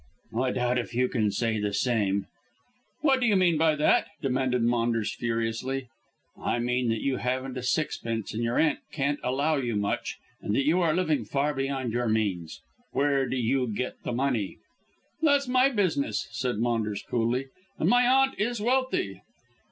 "I doubt if you can say the same." "What do you mean by that?" demanded Maunders furiously. "I mean that you haven't a sixpence, that your aunt can't allow you much, and that you are living far beyond your means. Where do you get the money?" "That's my business," said Maunders coolly, "and my aunt is wealthy."